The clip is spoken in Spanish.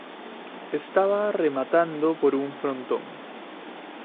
Estaba rematado por un frontón.